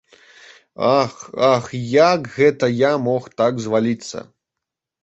Ах, ах, як гэта я мог так зваліцца!